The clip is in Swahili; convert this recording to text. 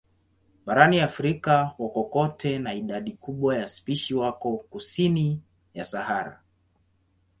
Barani Afrika wako kote na idadi kubwa ya spishi wako kusini ya Sahara.